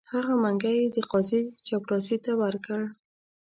هغه منګی یې د قاضي چپړاسي ته ورکړ.